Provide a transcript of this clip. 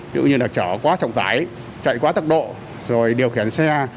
ví dụ như là chở quá trọng tải chạy quá tốc độ rồi điều khiển xe